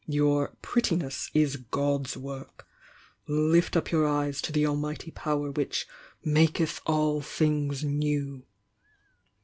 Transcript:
Your 'prettiness' is God's work I— lift up your eyes to the Almighty Power which 'maketh all things new!'